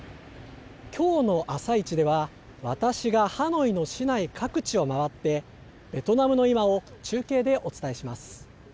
きょうのあさイチでは、私がハノイの市内各地を回って、ベトナムの今を中継でお伝えします。